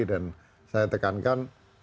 dan saya tekankan